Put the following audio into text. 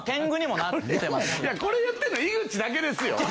これ言ってるの井口だけですよ。